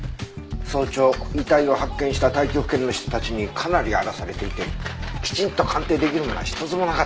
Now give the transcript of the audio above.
早朝遺体を発見した太極拳の人たちにかなり荒らされていてきちんと鑑定出来るものは１つもなかったよ。